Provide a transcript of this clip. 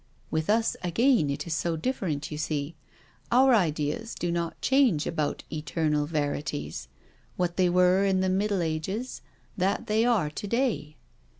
" With us again it is so different, you see. Our ideas do not change about eternal verities ^what they were in the Middle Ages that they are to day."